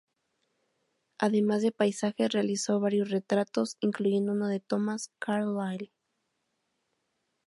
Además de paisajes, realizó varios retratos, incluyendo uno de Thomas Carlyle.